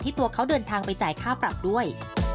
ตัวเขาเดินทางไปจ่ายค่าปรับด้วย